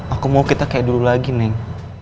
aku mau kita kayak dulu lagi nih